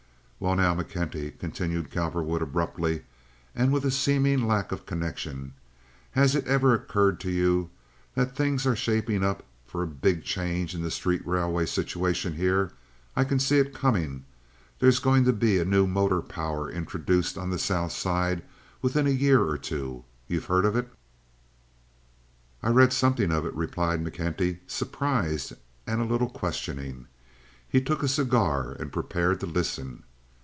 "Well, now, McKenty," continued Cowperwood, abruptly, and with a seeming lack of connection, "has it ever occurred to you that things are shaping up for a big change in the street railway situation here? I can see it coming. There's going to be a new motor power introduced on the South Side within a year or two. You've heard of it?" "I read something of it," replied McKenty, surprised and a little questioning. He took a cigar and prepared to listen.